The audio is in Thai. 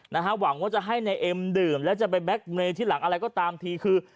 หวังว่าจะให้นายเอ็มดื่มแล้วจะไปแก๊กเมย์ที่หลังอะไรก็ตามทีคือ